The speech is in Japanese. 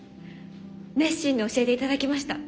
熱心に教えていただきました。